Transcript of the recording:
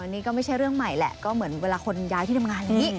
นี่ก็ไม่ใช่เรื่องใหม่แหละก็เหมือนเวลาคนย้ายที่ทำงานอย่างนี้